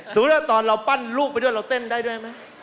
ว่าตอนเราปั้นลูกไปด้วยเราเต้นได้ด้วยไหม